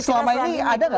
selama ini ada nggak